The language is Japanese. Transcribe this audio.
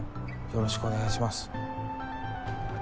よろしくお願いします。